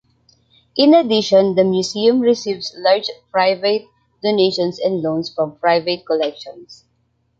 In addition, the museum receives large private donations and loans from private collections.